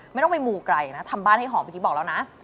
ไม่ต้องไปมูไกลนะทำบ้านให้หอมเมื่อกี้บอกแล้วนะ